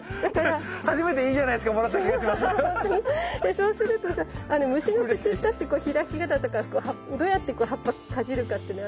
そうするとさ虫の気になってこう開き方とかどうやって葉っぱかじるかっていうのあるから。